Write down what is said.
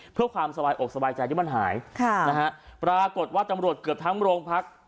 เพื่อความสบายอกสบายใจที่มันหายค่ะนะฮะปรากฏว่าตำรวจเกือบทั้งโรงพัก